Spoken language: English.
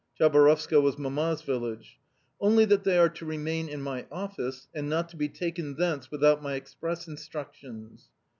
(Chabarovska was Mamma's village.) "Only that they are to remain in my office, and not to be taken thence without my express instructions."